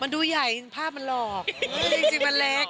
มันดูใหญ่ภาพมันหลอกจริงมันเล็ก